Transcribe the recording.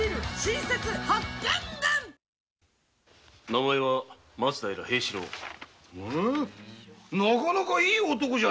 名前は松平平四郎だ。